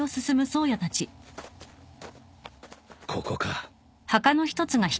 ここか。